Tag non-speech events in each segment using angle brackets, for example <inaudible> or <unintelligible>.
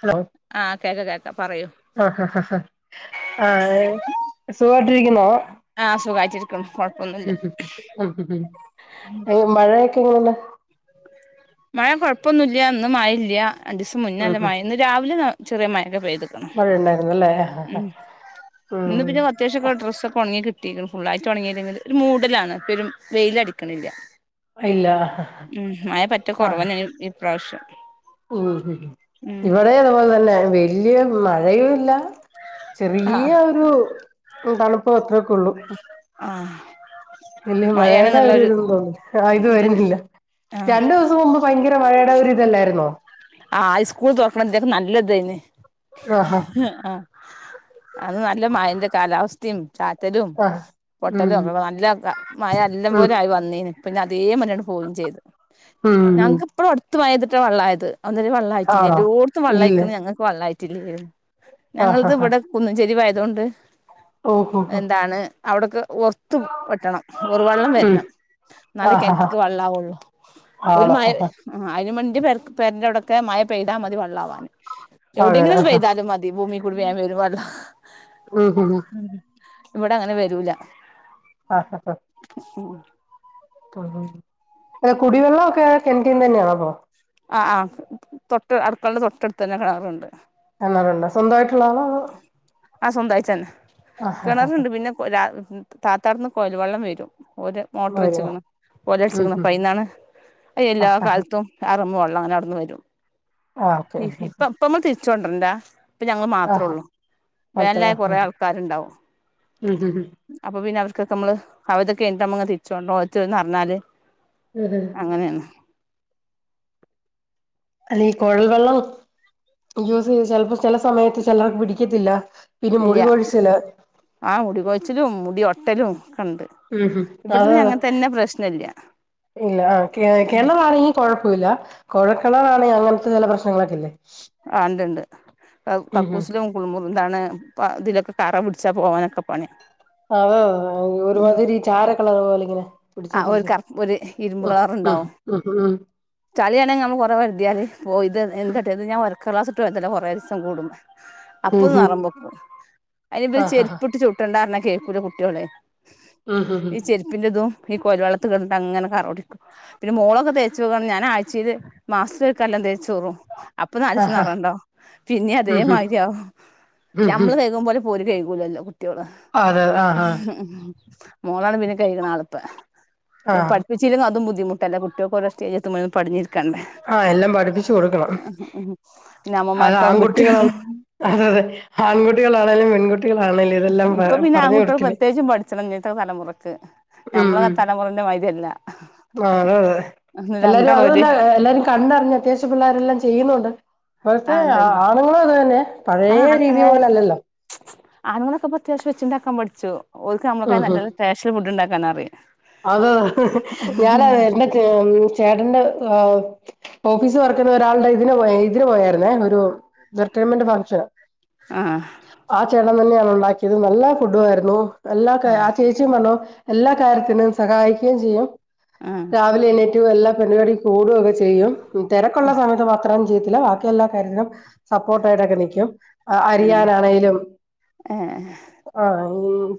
Hello ആഹ് കേക്ക കേക്ക പറയൂ ആ ആ സുഖമായിട്ടിരിക്കുന്നോ ആഹ് സുഖായിട്ടിരിക്ക്ണു കൊഴപ്പൊന്നുല്ല അ മഴയൊക്കെ എങ്ങന മഴ കുഴപ്പമൊന്നുമില്ല ഒന്നും മായില്ല അ ദിസം ഉം ഉം മുന്നാലമായ ഇന്ന് രാവിലെ ചെറിയ മഴക പേ ഉ മഴ ഉണ്ടായിരുന്നല്ലേ ഉം ഇന്ന് പിന്നെ അത്യാവശ്യം ഒക്കെ ഡ്രസ്ൊക്കെ ഉങ്ങി കിട്ട കുട്ട ഫുുള്ളായിട്ട് തുടങ്ങിയില്ലെങ്കിൽ ഒരു മൂടലാണ് ഇപ്പ ഒരു വെയില അടിക്കണില്ല അല്ല കുറവനായി ഭാഷ മ് ഇവിടെ അതുപോലെ തന്നെയാ വലിയ മ് ആയോ ഇല്ല ചെറിയ ആഹ് ഒരു തണുപ്പ് അത്രയൊക്കെ ഉള്ളൂ ആഹ് ഇല്ല മഴയുടെ മഴയാണ്ന്ന്ള്ളൊരു ഒരുരിതന്ന് തോന്നില്ല ആ ഇത് ഇതില് വരുന്നില്ല ആഹ് രണ്ടു ദിവസം മുമ്പ് ഭയങ്കര മഴയുടെ ഒരുരിതല്ലായിരുന്നോ ആ സ്കൂൾ തോക്കണ എന്തൊക്കെ നല്ല ഇതായിന് ആഹ് ആ അത് നല്ല മയിന്റ് കാലാവസ്ഥം ചാറ്റാ ചിറ്റലിലും ആഹ് ഉം പൊട്ടലും ഒക്ക നല്ല മഴ എല്ലാം ഉം പോലും ആയി വന്നീന് പിന്നെ അതേ മന്നാണ് പോവുകയും ചെയ്തത് ഉം ഉം ഞങ്ങക്ക് ഇപ്പോഴും അടുത്തയതിട്ട ഒറ്റ വെള്ളമായത് ഒന്നര വെള്ള ആട്ടില്ല ആണോ എന്റെറെഓടത്ത് ഇല്ല വള്ളയയിിക്ക ഞൾക്ക് വള്ളട്ട് ഇല്ല ആഹ് ഞങ്ങളുടെ ആഹ് ഇവിടെ കുന്നഞ്ചേരി വയൽ അതുകൊണ്ട് ഓഹോ ഹോ എന്താണ് അവിടുക്ക് ഒറത്ത് വെട്ടണം ഒര് വെള്ളം ഉം വരണം ന്നാല്ല ആഹ് ഹ കെണറ്റക്ക് വെള്ളം ആവുള്ളൂ ഒരു ആണോ മയ <unintelligible> അരിമണി പേർക്കും പേരിൻ്റെടൊക്കേ മയ പെയ്താ മതി വള്ളാവാന് അങ്ങനെ എവിടെങ്കും ആഹ് പോയതാലും മതി ഭൂമി കൂടേവേയം വരുല്ലം ഉം ഹും ഹും ഇവിടങ്ങനെ വരൂല. ആഹ് ഹ ഹാ ഉം <unintelligible> കുടിവെള്ളമൊക്കെ കെണറ്റന്ന് തന്നെയാണ അപ്പ ആഹ് ആഹ് തൊട്ട് അടുക്കളുടെ തൊട്ടടുത്ത് തന്നെ കിണാറുണ്ട് <unintelligible> സ്വന്തമായിട്ടുള്ള ആളാണോ ആ സ്വന്തയിട്ടന്നെ കിണറുണ്ട് പിന്നെ താത്താടന്ന് കൊയൽ വെള്ളം വരും ഓര് വരുവോ മോട്രചക്കണ് ഉം ഹും <unintelligible> അയ്ൻ ആഹ് ഹ എല്ലാകാലത്തും റമ്മ് വള്ള അങ്ങന അവിടുന്ന് വരും ആഹ് ഓക്കെ പം പമ തിര് കൊണ്ടരണ്ടാ അപ്പൊ ഞങ്ങൾ മാത്രേ ആഹ് ഉള്ളു അത്ര വേനാലായ <inaudible> കുറെേ ആൾക്കാരുണ്ടാവും ഉം ഉം ഉ <unintelligible> ക്കെ നമ്മള് അവവിതൊക്കെ എമ്മ തിരിച്ചോണ്ടോ ന്ന് പറഞ്ഞാല് <unintelligible> ഹും അങ്ങനെയാണ് അല്ല കൊഴൽ വെള്ളം യൂസ് ചെയ സ്പ്പ <unintelligible> ചില സമയത്ത് ചിലർക്ക് പിടിക്ക ത്തില്ല <unintelligible> ഇല്ല ആ മുടി കൊൊഴിച്ചിലും മുടിട് <unintelligible> പരും <inaudible> ഉം ഹം അതെ അതെ പ്രശ്നം ഇല്ല ഇല്ല ആ കിണ്ണ വണെങ്കി കൊഴപ്പമില്ല കൊഴക്കണറാണെ അങ്ങനത്തെ ചില പ്രശ്നങ്ങളൊക്കെല്ലേ ആ ഉണ്ട് ഉണ്ട് ഹും കക്കൂസിലും കുളിമുറും എന്താണ് ഇതിലൊക്കെ കറ പിടിച്ചാ പോവാനൊക്കെ പണി അതോ ഒരുമാതിരി ചാര കളർ പോല <inaudible> ആ ഒരു പിടിച്ചരിച്ച കറ ഒരു ഇരുമ്പ് ആ കളർ ആ ഉണ്ടാവും ആ ആ <unintelligible> ചളിയാണെങ്കിൽ നമുക്ക് കുറേ ഒരത്തിയാൽ <inaudible> എട്ട ഇത് ഞാൻ വർക്ക് ക്ലാസ്ട്ട് വരല്ല കുറേ രസം കൂടും അപ്പൊ നിറ്പോപ്പ അതിനിപ്പും ആഹ് ചെരുപ്പിട്ട് ചുട്ടുണ്ടാര കുൂടെ കുട്ടേോളെ ഈ ചെരുപ്പിന്റതും ഈ കൊല വെള്ളത്തി കിട്ട അങ്ങനെ കറോടിക്കും പിന്നെ മളൊക്കെ തേച്ച് വ ഞാൻ <inaudible> യ്ത് മാസ് വക്ക എ <unintelligible> ചോറും അപ്പൊ ആഹ് ആഹ് നാലുദിവസം ആഹ് നറം ഉണ്ടാവും പിന്നെ ഉം ഹും ഉം ഹും ഹും ഉം ഹും അതേമാതിരിോ ഉം ഹും നമ്മള് കൈകുമ പോോലെ പോല്ല <inaudible> ടെ അതെ ആഹ് ആഹ് <inaudible> മോളാണ് പിന്നെ കഴിക്കണ ആളിപ്പോ ഇപ്പ ആഹ് പഠപ്പിച്ചില്ലങ്കി അതും ബധുട്ടല്ല കുട്ടക്ക സ്റ്റജ <unintelligible> പഞ്ഞി <unintelligible> ആഹ എല്ലാം പഠിപ്പിച്ചച്ച് കൊടുക്കണം പിന്നെ അത് അമ്മമാർക്കാവും ആൺകുട്ടികളാണ് കുറ്റം അത അതെ ആൺകുട്ടികളാണെങ്കലുംെൺ ഇപ്പൊ പിന്നെ ആൺകുട്ടികൾ പ്രത്യേകിച്ചും പഠിച്ചണം എന്നിട്ട തലമുറക്ക് ഉം നഞമ്മള ഉം തലമുറന്റെ മരില്ല ആഹ് അതെ രണ്ടാളംര് അത് കണ്ടറിഞ് അത്യാവ്യം പിള്ളാരരെല്ലാം ചെയ്യുന്നുണ്ട് ആ പ്പോഴത്തെ ആ ആണുങ്ങളു അത് തന്നെ പഴയ രീതി പോലെല്ലല്ലോ അങ്ങനൊക്കെ പ്പത്യാവശ്യം വെച്ച് ണ്ടാകാൻ പട് ച്ചു ഓല്ക് നമ്മളക്ക നല്ല റ്റേഷ്യ ഫുഡുണ്ടാ അങ്ങനറിയ അതതെ ഞാനതെ ന്റെ ചെമ് ചേട്ടന്റെ ഏഹ് ഓഫീസ് വർക്കുന്ന ഒരാളുടെ ഇതിനു പോയ് ഇതിന് പോയായിരുന്നേ ഒരുട്ടേമെന്റ് ഫങ്‌ഷൻ ആ ആ ചേട്ടൻ തന്നെയ ഉണ്ടാക്കിയത് നല്ല ഫുഡും ആയിരുന്നു എല്ലാർകാ ആ ചേച്ചി മണോ എല്ലാ കാര്യത്തിനും സഹായിക്കുകയും ചെയ്യും ആ രാവിലെ എണീറ്റു എല്ലാം പരിപാടി കൂടുഒക്കെ ചെയ്യും തെരക്കുള്ള സമയത്ത് മാത്രം യത്തില്ല, ബാക്കി എല്ലാ കാര്യത്തിനും സപ്പോർട്ടായിട്ടൊക്കെ നിക്കും അ അരിയാനാണേലും ഏ ആ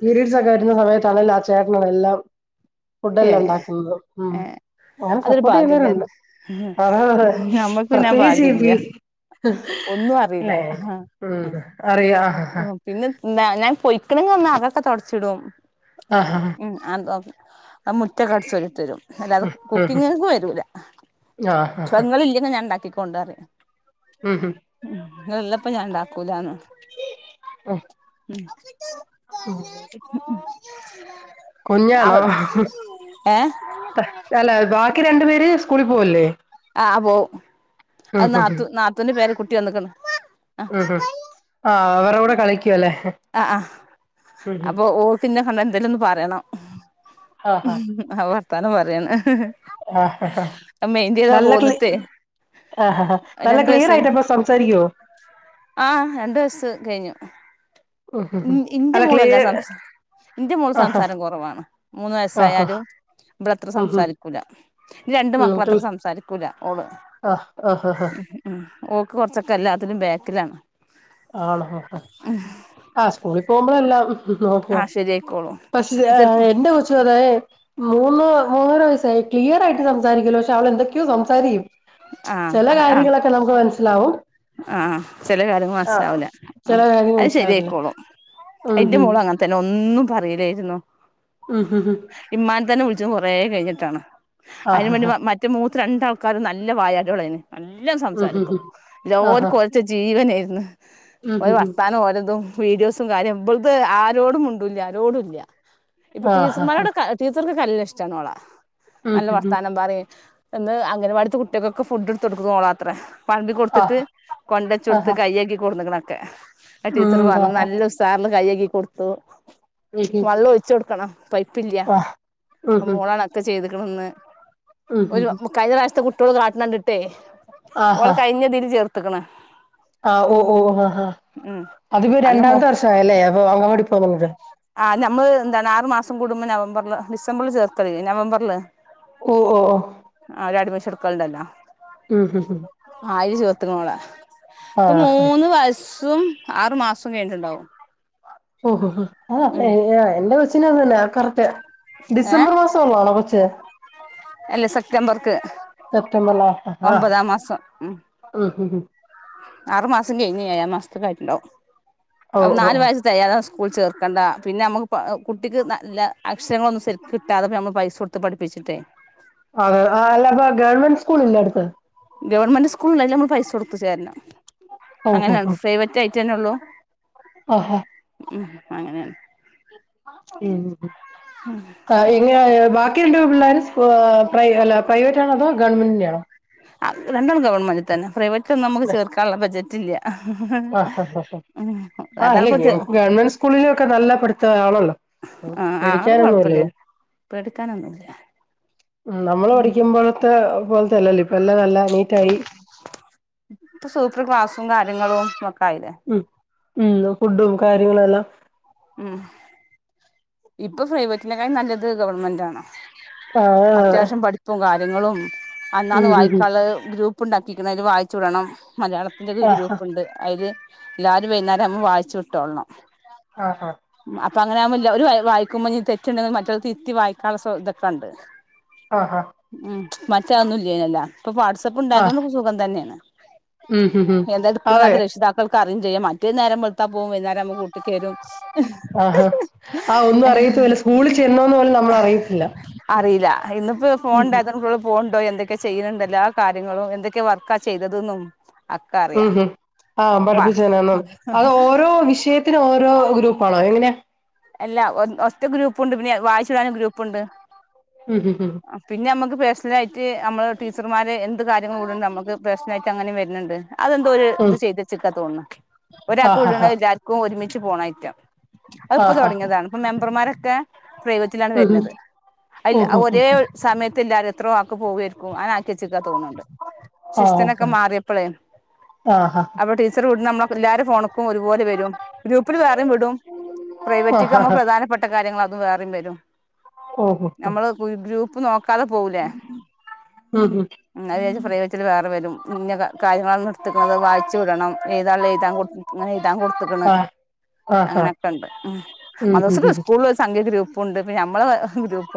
പീരയഡ്സ് ഒക്കെ വരുന്ന സമയത്താണലും ആ ചാ ചേട്ടന് എല്ലാം ഏ ഫുഡല്ലാം ണ്ടാക്കുന്നതും ഉം ഏ അങ്ങനെ അതൊരു സപ്പോർട്ട് ഭാഗ്യം തന്നെ ചെയ്യുന്നവരുണ്ട് അതത നമ്മക്ക് പിന്നെ ആ പ്രത്യേകച്ച് ഇ ഭാഗ്യല്ല പി ഒന്നും ലേ ഉം അറിയ ഓ പിന്നെന്താ ഞാൻ പൊയ്ക്ക്ണ് ന്ന <unintelligible> ക്ക തൊഡ്ച്ചിടും ആഹ് ഉം അതോ അ മുറ്റ കൊ ടിചൊരിതരും അല്ലാത ഉം ഉം കുക്കിങ്‌ ക്ക് വരൂല ആഹ് <unintelligible> ആഹ് ങ്ങള ഇല്ലെങ്കി ഞാ ണ്ടാക്കി കൊണ്ടറിയ ഉം ഉം ങ്ങള് ള്ളപ്പോ ഞാൻ ണ്ടാക്കൂലാന്ന്. അ അ <unintelligible> അവ് ഏ അല്ല ബാക്കി രണ്ടു പേര് സ് ആ പോവു ഉം അത് ഉം ഉം നാതൂ നാത്തൂന് പേര് ക് കുട്ടി വന്നക്കണ് ഉം ഉം ആ അവ <unintelligible> ടെ കളിക് ആ ആ ഉം അപ്പൊ ഓർത്തിന്ന് കണ്ട എന്തേലും ഒന്ന് പറയണം ആഹ് ഉം ആഹ് ഉവ വർത്താനം പറയാണ് ആഹ് മെയിൻ്റ് ചെയ്താ നല്ല ക്ലി പോന്നിട്ടേ ആഹ് ആഹ് നല്ല രണ്ടു ക്ലിയർ വയസായി ആയിട്ട് അപ്പൊ സംസാരിക്കുവോ ആ രണ്ടു വയസ് കഴിഞ്ഞു ഉം ഉം ഇ ഉം ഇൻ്റെ അല്ല മൂളല്ല ക്ലിയർ സംസാ ഇൻ്റെ മൂള് ആഹ് സംസാരം കുറവാണ് മൂന്ന് ആഹ് വയസ്സായാലും ഇവളത്ര ആഹ് ഉം സംസാരിക്കൂല്ല ൻ്റെ രണ്ട് ഉം മക്കളും അത്ര ഉം സംസാരിക്കൂല ഓള് ആഹ് ആഹ് ആഹ് ഉം ഓക്ക് കുറച്ചൊക്കെ എല്ലാത്തിനും ബാക്കിലാണ് ആണോ ഹസ്‌ കൂളി പോകുമ്പഴെല്ലാം ഓക്കെ ആഹ് ശരിയായിക്കോളും പക്ഷേ ചെറുപ്പം എന്റെ കൊച്ചും അതെ മൂന്ന് മൂന്നര വയസ്സായി ക്ലിയർ ആയിട്ട് സംസാരിക്കൂലാ പക്ഷെ അവൾ എന്തൊക്കെയോ സംസാരിക്കും ചില ആഹ് ആഹ് കാര്യങ്ങളൊക്കെ നമുക്ക് മനസിലാവും മനസിലാവില്ല മ്മ് അത് ശരിയായിക്കോളും ഉം ഇന്റെ ഹും മോളും അങ്ങനെന്നെ ഒന്നും പറയിലായിരുന്നു ഉം ഹും ഹും ഇമ്മാന്നെ തന്നെ വിളി ച്ച് കുറേ കഴിഞ്ഞിട്ടാണ് ആ അതിന് ഹ ഹ മുന്നേ മറ്റേ മൂ രണ്ടാൾക്കാരും നല്ല നല്ല വായാടികളായിരുന്നു എല്ലാം ഉം ഹും സംസാരിക്കും ഹും എല്ലാർക്കും ആ ഹ ഓര്ന്ന് വച്ചാ ജീവനായിരുന്നു ഉം ഓരെ ഹും ഹും വർത്താനോം ഓരോതും വീഡിയോസ് കാര്യം ഇത് ആരോടും മിണ്ടൂല്ല ആരോടുംല്ല ഇപ്പൊ ആ ഹ ഹ ടീച്ചർമാരോടൊക്കെ ടീച്ചർക്ക് നല്ല ഇഷ്ടാണ് ഓളെ ഉം നല്ല ഹും ഹും വർത്താനം പറയും ഇന്ന് അങ്ങനവാടിത്തെ കുട്ടി കൊക്കെ ഫുഡ് എടുത്ത് കൊടുക്കുന്നത് ഓളാത്രെ വളമ്പി ആ കൊടുത്തിട്ട് ഹ കൊണ്ട് വച്ചു ആ കൊടുത്ത് ഹ ഉം കയ്യ് കഴുകി കൊണ്ട് വന്നെക്കണെ ക്കെ ആ ടീച്ചർ ആ പറഞ്ഞ് ഹ നല്ല ഉസാറില് കൈ കഴുകി കൊടുത്തു ഉം ഹും വള്ളം ഒയ്ച്ച് കൊടുക്കണം പൈപ്പ് ഇല്ല ആ ഉം ഹും മോളണക്ക ചെയ്ത് ക്ക്ണ്ന്ന് ഉം ഹും ഒരു ഹും കഴിഞ്ഞ പ്രാഷത്ത കു ട്ടളൊക്കെ കാട്ട്ണണ്ടിട്ടേ ഓൾ കഴിഞ്ഞ ദില് ചേർ ത്ത്ക്ക്ണ് ആഹ് ഓ ഓ ഹാ അതിപ്പോ അന്ന് മോ രണ്ടാമത്തെ വർഷ ആയല്ലേ അപ്പൊ അംഗംവാടി പോകുന്നത്? കുടുംബ് നവംബറില് ഡിസംബറിൽ ചേർത്തൽ നവംബറില് ഓ ഓ ഓ കൾണ്ടല്ല ഉം ത്ത്നോള ഇപ്പൊ ആഹ് മൂന്ന് വയസും ആറു മാസം കഴിഞ്ഞിട്ടുണ്ടാവും ഓഹോഹോ ആ ഉം എൻ എന്റെ- ചിനതന്നാ റക് ഏ ഡിസംബർ മാസൊള്ളാണോ കൊച്ച് അല്ല സെപ്റ്റംബർക്ക് സെപ്റ്റംബറി ഒമ്പതാം മാസം ഉം ഹും ഹും ആറു മാസം കഴിഞ്ഞ് ഏഴാം മാസത്തക്കായിട്ടുണ്ടാവും ഓ അവ് ഓ നാല് ഓ വയസ് തെകയാതെ സ്കൂൾ ചേർക്കേണ്ട പിന്നെ നമുക്ക് കുട്ടിക്ക് നല്ല അക്ഷരങ്ങളൊന്നും ശരിക്കും കിട്ടാതെപ്പോം നമ്മൾ പൈസ കൊടുത്ത് പഠിപ്പിച്ചിട്ടേ അ ആ അല്ലപ്പൊ ഗവൺമെന്റ് സ്കൂൾ ഇല്ലേ അടുത്ത്? ഉപ്പു ചേരണം ഓ അങ്ങനെ ഓ ഓ ഫേവറ്റ് ഐറ്റന്നെള്ളൂ ആഹാ ഉം അങ്ങനെയാണ് ഉം ആ എ ബാക്കി രണ്ട് പെൺപിള്ളേർ പ്ര അല്ല പ്രൈവറ്റ് ആണോ അതോ ഗവൺമെന്റിന്റാണോ? രണ്ടും ഗവൺമെന്റ് തന്നെ പ്രൈവറ്റ് നമുക്ക് ചേർക്കാനുള്ള ബജ റ്റില്ല. ആ ആ ആഹ് അതാണിപ്പോ ഇല്ല ചെ ഗവൺമെന്റ് സ്കൂളില ഒക്കെ നല്ല പഠത്ത ആണല്ലോ ആ ആ അത് പടിക്കാനൊന്നുംല്ലല്ലോ കൊഴപ്പില്ലല്ലോ പേടിക്കാനൊന്നുമില്ല നമ്മള് ഉം പഠിക്കുമ്പോഴത്തെ പോലത്തെല്ലല്ലോ ഇപ്പ ള്ളനല്ല നീറ്റായി ഇപ്പ സൂപ്പർ ക്ലാസ്സും കാര്യങ്ങളും മക്ക ഉം ഉം ഫുഡും കാര്യങ്ങളു എല്ലാം ഉം ഇപ്പൊ പ്രൈവറ്റിനെക്കാളും നല്ലത് ഗവൺമെന്റ് ആണ്. ആഹ് അതെ അത്യാവശ്യം പഠിപ്പും കാ ര്യങ്ങളും അന്നാന്ന് ഉം ഹ് ഹ് വായക്കാല്ലത് ഗ്രൂ പ്പ് ഇണ്ടാക്കിക് ണ് അതിൽ വായിച്ചു വിടണം മലയാളത്തിന്റെര് ഗ്രൂപ്പുണ്ട് അതില് എല്ലാരും വൈകുന്നേരാവുമ്പം വായിച്ച് വിട്ടോളണം ആഹ് ആഹ് അപ്പ അങ്ങനാവുമ്പം ഇല്ല ഒരു വായിക്കുമ്പോ ഇഞ് തെറ്റുണ്ടെങ്കിൽ മറ്റൊല് തിരുത്തി വായിക്കാനുള്ള തൊക്കെ ണ്ട് ആഹ മറ്റ അഒന്നും ഇല്ലേന്യ ല്ലോ ഇപ്പ വാട്സപ്പ് ആഹ് ഉണ്ടായതോണ്ട് ക്കെ സുഖം തന്നെയാണ് ഉം ഹു ഹും അതെ ക്കറിയും ചെയ്യാ മറ്റത് നേരം വെൾത്താ പോവും വൈന്നാ രാവുമ്പം കൂട്ടിക്കെരും ന്നും അറിയത്തുല്ല സ്കൂളിൽ ചെന്നോന്ന് പോലും നമ്മളറിയത്തില്ല അറിയില്ല ഇന്നിപ്പോ ഫോൺ ഉണ്ടായതോണ്ട് കുട്ട്യേള് പോവ്ണ്ടോ <unintelligible> എന്തൊക്കെ ചെയ്യുന്നുണ്ട് എല്ലാ കാര്യങ്ങളും എന്തൊക്കെ വർക്കാ ചെയ്തത് ന്നും ഉം ഹും ആ പഠിപ്പിച്ചേ എന്നാന്നും അത് ഓരോ വിഷയത്തിനും ഓരോ ഗ്രൂപ്പാണോ എങ്ങനയാ അല്ലാ ഒറ്റ ഗ്രൂപ്പൂണ്ട് പിന്നെ വായിച്ചു വിടാന് ഒരു ഗ്രൂപ്പുണ്ട് ഉം ഹ് ഹ് ആ പിന്നെ ഞമ്മക്ക് പഴ്സണലയിട്ട് നമ്മള് ടീച്ചർമാരെ എ ന്ത് കാര്യങ്ങൾ വിട്ണ്ട് നമുക്ക് പെർസണലായിട്ട് അങ്ങനെ വരുന്ണ്ട് അതെന്തോ ഒര് ഉം ഇത് ചെയ്തച്ചക്കാ തോന്നുണ് ഒരാൾക്ക് ആഹ് വിടണ ഹ ഹ എല്ലാവർക്കും ഒരുമിച്ച് ച്ച് പോണയ് റ്റ അ ഇപ്പ ആഹ് ഹ തുടങ്ങിയതാണ് ഇപ്പ മെമ്പർമാര ക്കെ പ്രൈവറ്റിലാണ് ഉം ഹ് വര്നത് അല്ല ഓഹ് ഹോ ഒരേ സമയ അത്തില്ലാരും എത്രോ ആക്ക് പോവുകമായിരിക്കും അയന്നെല്ലത് ച്ചക്കാ തോന്നുന്നുണ്ട് ഹോ ശിസ്റ്റനൊക്കെ ഹോ മാറിയപ്പോളേ ആഹ് ആഹ് അപ്പ ടീച്ചർ കടി നമ്മള എല്ലാര ഫോണ് ഒരുപോലെ വരും ഗ്രൂപ്പിൽ വേറെും വിടും പ്രൈവറ്റ് ആഹ് മ്മ ആഹ് പ്രധാനപ്പെട്ട കാര്യ ഞങ്ങൾ അത് വേറിം വരും ഓഹ് ഹോ ഹോ നമ്മള് ഗ്രൂ പി നോ കതെ പോകൂലേ ഉം അത്ച്ച ഫ വെച്ചൽ വേറെ വരും ഇന്ന കാര്യങ്ങളാണ് നിർത്തക്കുന്നത് വായിച്ചു വിടണം എഴതാ എഴുതാൻ കൊ ഇങ്ങനെ എഴുതാൻ കൊടുത്തക്കണ് ഹ് ആഹ് ആഹ് അങ്ങനെ ണ്ട് ഉം മദ് റസാ ഹ് ഹ് സ്കൂൾ ഗ്രൂപ്പ്ണ്ട് നമ്മള ഗ്രൂപ്പ്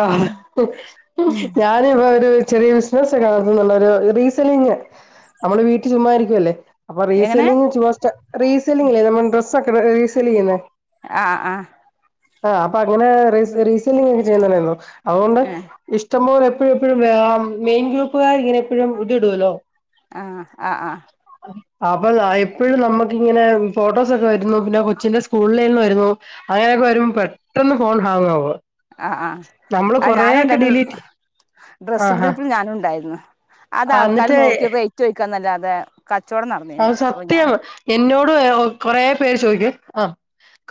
ആഹ ഉം ഞാന ഇപ്പൊ ഒര് ചെറിയ ബിസിനസ്സ ഒക്കെത്തുള്ളരു റീസെലിങ് നമ്മള് വീട്ടിൽ ചുമ്മായിരിക്കുവ അല്ലേ അപ്പൊ റീ എങ്ങനെ സെല്ലിങ് അക്ക ീസിന്നെ <unintelligible> ആആഹ ആഹ് അപ്പൊ അങ്ങനെ റീസെല്ലിംഗ ഒക്കെ ചെയ്യുന്നുണ്ടോ അതുണ്ട് ഏഹ് ഇഷ്ട ഇഷ്ട്പോൾ എപ്പോഴും എപ്പോഴും വ മെയിൻ ഗ്രൂപ്പുകാർ ഇങ്ങനെപ്പോഴും ഇതി ഇടുല്ലോ ആ ആ ആ അപ്പൊ എപ്പോഴും നമുക്ക് ഇങ്ങനെ ഫോട്ടോസൊക്കെ വരുന്നു പിന്നെ കൊച്ചിന്റെ സ്കൂളിൽേന്ന് വരുന്നു അങ്ങനെയൊക്കെ വരു പെട്ടന്ന് ഫോൺ ഹാങ് ആവ ആ ആഹ് ആ ഞാനും ഉണ്ടായിരുന്നു ഡിലീറ്റ് ഡ്രസ്സ് ആഹാ ഗ്രൂപ്പിൽ ഞാനും ഉണ്ടായിരുന്നു അത ആ, ആൾക്കാർ എന്നിട്ട് നോക്കിയത് ഏറ്റവും വയ്ക്കാൻ നല്ല ങേ അത് സത്യം എന്നോട് കൊറെേ പേര് ചോദിക്കും ആ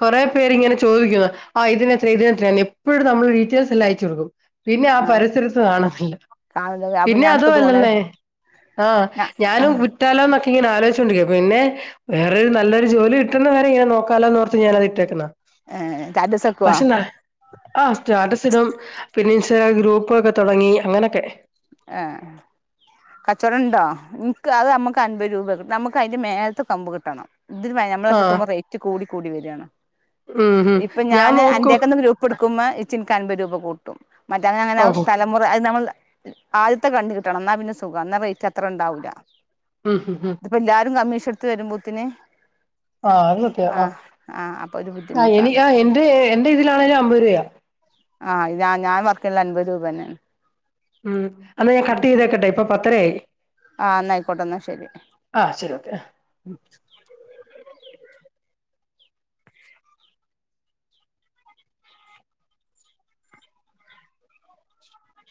കൊറെ പേര് ഇങ്ങനെ ചോദിക്കുന്നു ആ ഇതിനെത്ര ഇതിനെ എത്ര എപ്പോഴും നമ്മള് ഡീറ്റെയിൽസ് എല്ലാം അയച്ചു കൊടുക്കും പിന്നെ ആ ആഹ് പരിസരത്ത് കാണുന്നില്ല കാണുന്നത് അപ്പൊ പിന്നെ അത ഞങ്ങക്ക് തോന്നി അല്ലന്നേ ആഹ് ഞാനും ഏഹ് കുറ്റാലോന്നൊെ ആലോചിച്ചുണ്ടരിക്ക പിന്നെ വേറൊരു നല്ലൊരു ജോലി കിട്ടുന്നവേരെ ഇങ്ങനെ നോക്കാലന്ന്ലോർത്തു ഞാന അത് ഇട്ടേക്കുന്നാ രണ്ടീസം നിക്കുവോ പക്ഷ ആഹ് സ്റ്റാറ്റസ് പിന്നെ ഇൻസ്റ്റാഗ്ര ഗ്രൂപ്പൊക്കെ തുടങ്ങി അങ്ങനെയൊക്കെ ആഏ കച്ചോടം ണ്ടോ നിനിക്ക് അത് നമുക്ക് അൻപത് രൂപ നമുക്ക് അതിന്റെ മേലത്തെ കമ്പ് കിട്ടണം ഇതിന് ആ നമ്മളത്ത റേറ്റ കൂടി കൂടി വരിയാണ് ഉം ഉം ഇപ്പ ഞാൻ ഞാന് അ നോക്കും ന്റെയൊക്കെ ഗൂപ്പ് എടുക്കുമ്പോ ഇച്ച അൻപത് രൂപ കൂട്ടും മറ്റോനെങ്ങനെയാവും, ഓഹോ തലമുറ അതുനമ്മള് ആദ്യത്തെകണ്ടുകിട്ടണം. എന്നാപ്പിന്നെ സുഖാ എന്നാ റേറ്റത്ര ഉണ്ടാവില്ല. ഉം ഉം ഉം ഇപ്പെല്ലാരും നമീഷ് എടുത്തുതരും മുത്തിനെ ആ.. അന്ന് എത്തിയതാ, അ.. ഒരു അ, ബുദ്ധിമുട്ടാണ് എനിക്കാ എന്റെ, എന്റെ യിതിലോണേലും അമ്പതുരൂപയാ. ആ ഞാൻ ഞാൻ വർക്ക് ചെയ്തതെല്ലാം അൻപത് രൂപ ന്നെയാണ് ഉം എന്നാഞാൻ കട്ട് ചെയ്തേക്കട്ടെയിപ്പം പത്തരയായി ആ എന്നായിക്കോട്ടെ എന്നാ ശരി. ആ ശരി ഓക്കെ